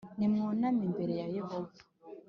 Nimwunam’ imbere ya Yehova,